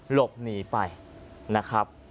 หลบหนีไปนะครับ